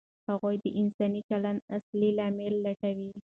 هغوی د انساني چلند اصلي لاملونه لټول.